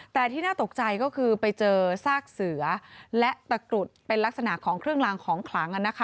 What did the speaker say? แต่ที่น่าตกใจก็คือไปเจอซากเสือและตะกรุดเป็นลักษณะของเครื่องลางของขลัง